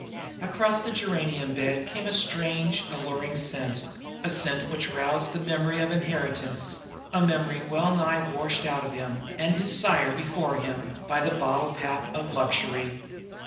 Across the geranium bed came a strange, alluring scent a scent which roused the memory of inheritance a memory well nigh washed out of him, and his sire before him, by the bottle pap of luxury.